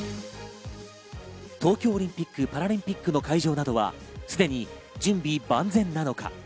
東京オリンピック・パラリンピックの会場などはすでに準備万全なのか？